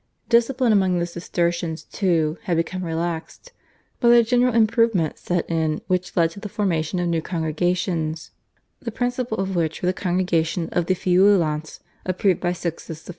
Discipline among the Cistercians, too, had become relaxed, but a general improvement set in which led to the formation of new congregations, the principal of which were the Congregation of the Feuillants approved by Sixtus V.